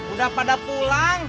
udah pada pulang